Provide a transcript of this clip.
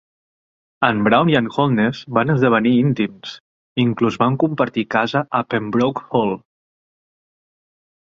En Brown i en Holness van esdevenir íntims, inclús van compartir casa a Pembroke Hall.